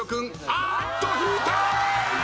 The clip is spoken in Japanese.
あーっと引いた！